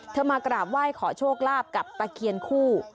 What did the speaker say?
เธอมากร่ามไหว้ขอโชคราบกับปะเขียนคู่